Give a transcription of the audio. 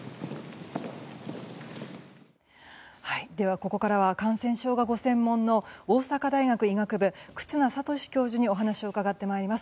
ここからは感染症がご専門の大阪大学医学部忽那賢志教授にお話を伺ってまいります。